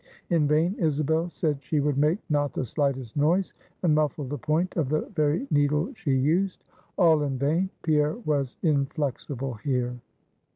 In vain Isabel said she would make not the slightest noise, and muffle the point of the very needle she used. All in vain. Pierre was inflexible here.